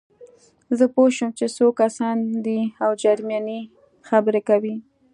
زه پوه شوم چې څو کسان دي او جرمني خبرې کوي